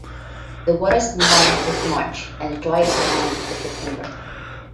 The wettest month is March and the driest month is September.